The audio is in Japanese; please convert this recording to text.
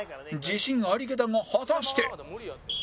自信ありげだが果たして